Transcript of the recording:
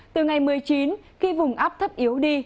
từ ngày một mươi chín khi vùng áp thấp yếu đi